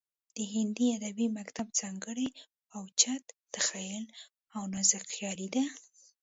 د هندي ادبي مکتب ځانګړنې اوچت تخیل او نازکخیالي ده